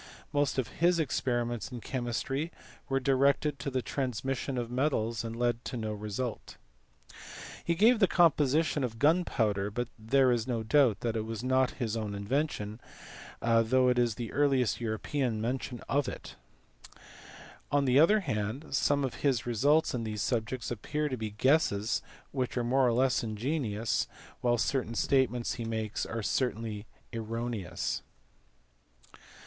Most of his experiments in chemistry were directed to the transmutation of metals and led to no result. He gave the composition of gunpowder, but there is no doubt that it was nob his own invention, though it is the earliest European mention of it. On the other hand some of his results in these subjects appear to be guesses which are more or less ingenious, while certain statements he makes are certainly erroneous.